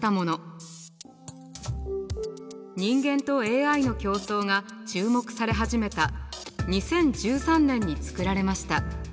人間とＡＩの競争が注目され始めた２０１３年に作られました。